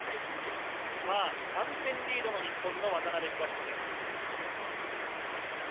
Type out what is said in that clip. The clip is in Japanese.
３点リードの日本の渡辺・東野です。